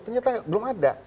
ternyata belum ada